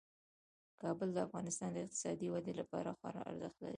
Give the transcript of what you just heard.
کابل د افغانستان د اقتصادي ودې لپاره خورا ارزښت لري.